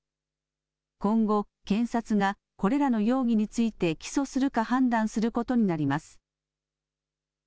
今後、検察がこれらの容疑について起訴するか判断することになります。